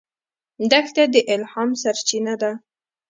دښته د الهام سرچینه ده.